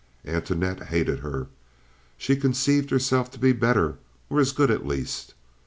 Antoinette hated her. She conceived herself to be better, or as good at least.